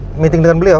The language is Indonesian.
membicara dengan beliau